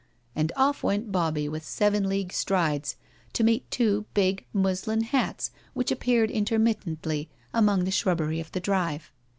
And off went Bobbie with seven league strides to meet two big muslin hats which appeared intermittently among the shrubbery of the drive.